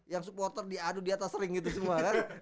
yang supporter diadu di atas ring gitu semua kan